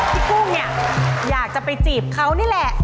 พี่กุ้งอยากจะไปจีบเขานี่แหละ